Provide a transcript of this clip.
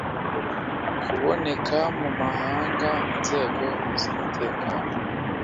kuboneka mu mahanga inzego z umutekano